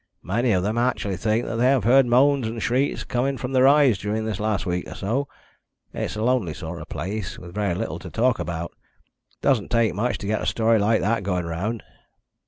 Many of them actually think they have heard moans and shrieks coming from the rise during this last week or so. It's a lonely sort of place, with very little to talk about; it doesn't take much to get a story like that going round."